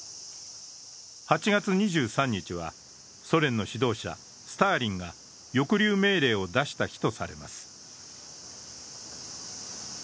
８月２３日はソ連の指導者スターリンが抑留命令を出した日とされます。